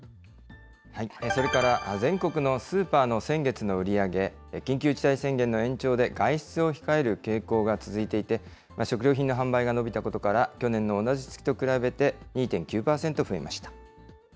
それから全国のスーパーの先月の売り上げ、緊急事態宣言の延長で外出を控える傾向が続いていて、食料品の販売が伸びたことから、去年の同じ月と比べて２．９％増えました。